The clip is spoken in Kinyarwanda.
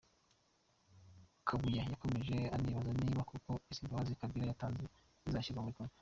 Kabuya yakomeje anibaza niba koko izi mbabazi Kabila yatanze zizashyirwa mu bikorwa.